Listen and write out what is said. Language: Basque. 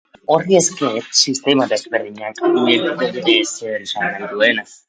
Horri esker, sistema desberdinek ulertuko dute zer esan nahi duen.